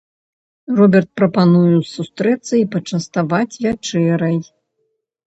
Роберт прапануе сустрэцца і пачаставаць вячэрай.